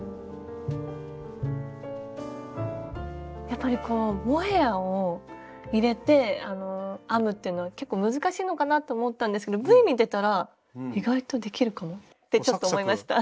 やっぱりこうモヘアを入れて編むっていうのは結構難しいのかなと思ったんですけどＶ見てたら意外とできるかも？ってちょっと思いました。